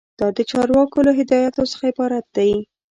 دا د چارواکو له هدایاتو څخه عبارت دی.